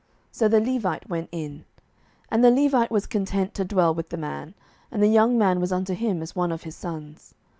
So the Levite went in. 07:017:011 And the Levite was content to dwell with the man; and the young man was unto him as one of his sons.